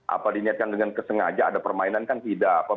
apa diniatkan dengan kesengaja ada permainan kan tidak